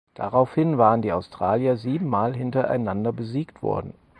Daraufhin waren die Australier sieben Mal hintereinander besiegt worden.